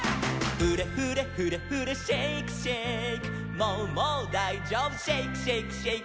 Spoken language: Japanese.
「フレフレフレフレシェイクシェイク」